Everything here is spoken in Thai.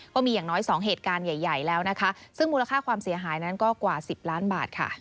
ก็มีอย่างน้อย๒เหตุการณ์ใหญ่แล้วนะคะซึ่งมูลค่าความเสียหายนั้นก็กว่า๑๐ล้านบาทค่ะ